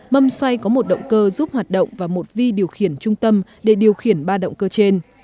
mâm xoay có một động cơ giúp hoạt động và một vi điều khiển trung tâm để điều khiển ba động cơ trên